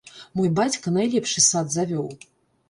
Мой бацька найлепшы сад завёў!